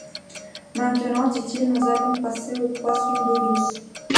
Maintenant, dit-il, nous allons passer au poisson d’eau douce.